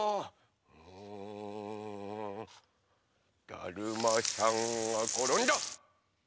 だるまさんがころんだ！